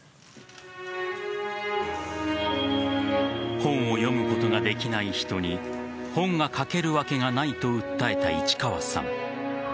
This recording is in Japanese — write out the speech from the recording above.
本を読むことができない人に本が書けるわけがないと訴えた市川さん。